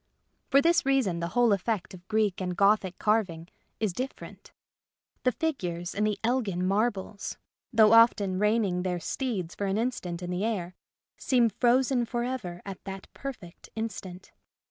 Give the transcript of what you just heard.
For this reason the whole effect of Greek and Gothic carving is different. The figures in the Elgin marbles, though often reining their steeds for an instant in the air, seem frozen for ever at that perfect instant.